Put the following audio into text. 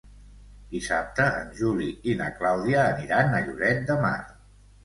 Dissabte en Juli i na Clàudia aniran a Lloret de Mar.